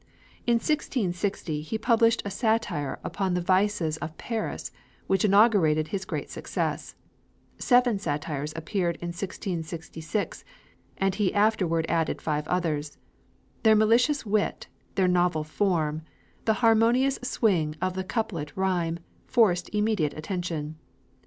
In 1660 he published a satire upon the vices of Paris, which inaugurated his great success. Seven satires appeared in 1666, and he afterward added five others. Their malicious wit, their novel form, the harmonious swing of the couplet rhyme, forced immediate attention.